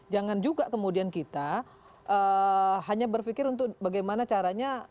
jangan juga kemudian kita hanya berpikir untuk bagaimana caranya